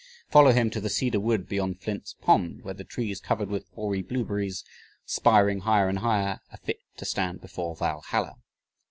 Follow him to "the cedar wood beyond Flint's Pond, where the trees covered with hoary blue berries, spiring higher and higher, are fit to stand before Valhalla."